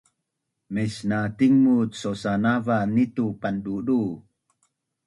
Mesna tingmut sosanavan ni tu pandudu